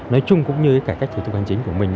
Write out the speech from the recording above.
nói chung cũng như cái cải cách hành chính của mình